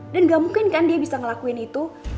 dan gak mungkin kan dia bisa ngelakuin itu